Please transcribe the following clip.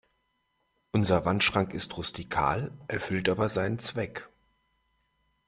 Unser Wandschrank ist rustikal, erfüllt aber seinen Zweck.